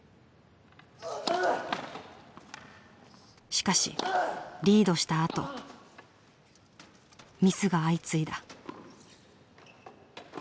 しかしリードしたあとミスが相次いだ。